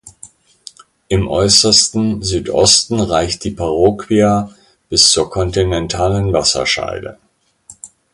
Im äußersten Südosten reicht die Parroquia bis zur kontinentalen Wasserscheide.